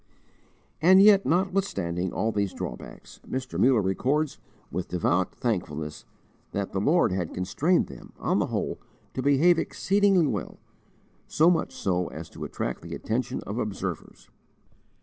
And yet, notwithstanding all these drawbacks, Mr. Muller records, with devout thankfulness, that "the Lord had constrained them, on the whole, to behave exceedingly well, so much so as to attract the attention of observers."